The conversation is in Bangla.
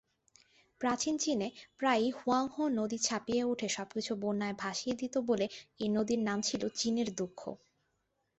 প্রাচীন চীনে প্রায়ই হুয়াংহো নদী ছাপিয়ে উঠে সবকিছু বন্যায় ভাসিয়ে দিত বলে এই নদীর নাম ছিল "চিনের দুঃখ"।